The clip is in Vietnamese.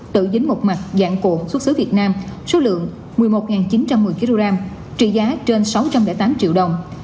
tự dính một mặt dạng cuộn xuất xứ việt nam số lượng một mươi một chín trăm một mươi kg trị giá trên sáu trăm linh tám triệu đồng